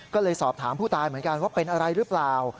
ก็เลยสอบถามผู้ตายเหมือนกันว่าเป็นอะไรหรือเปล่า